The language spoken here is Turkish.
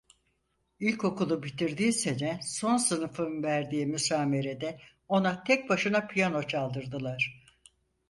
İlkokulu bitirdiği sene son sınıfın verdiği müsamerede ona tek başına piyano çaldırdılar.